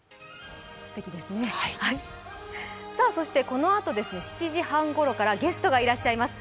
このあと７時半ごろからゲストがいらっしゃいます。